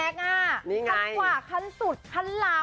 คันขวาคันสุดคันล้ำ